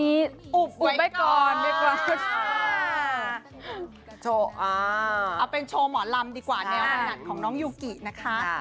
เอาเป็นโชว์หมอรำดีกว่าในอาหารหยัดของน้องยูกินะคะ